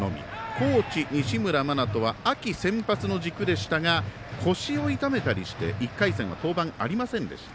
高知、西村真人は秋、先発の軸でしたが腰を痛めたりして１回戦の登板ありませんでした。